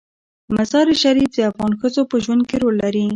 مزارشریف د افغان ښځو په ژوند کې رول لري.